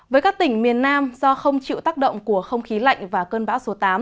với các tỉnh miền nam do không chịu tác động của không khí lạnh và cơn bão số tám